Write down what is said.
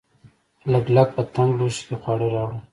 لګلګ په تنګ لوښي کې خواړه راوړل.